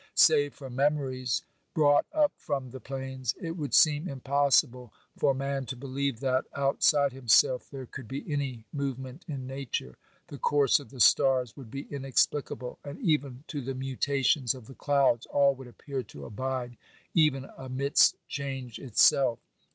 Save for memories brought up from the plains, it would seem impossible for man to believe that, outside himself, there could be any movement in Nature ; the course of the stars would be inexplicable, and, even to 42 OBERMANN the mutations of the clouds, all would appear to abide even amidst change itself.